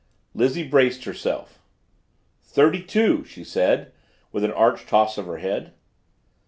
Lizzie braced herself. "Thirty two," she said, with an arch toss of her head.